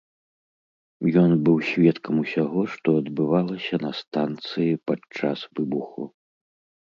Ён быў сведкам усяго, што адбывалася на станцыі падчас выбуху.